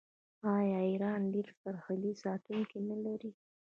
آیا ایران ډیر سرحدي ساتونکي نلري؟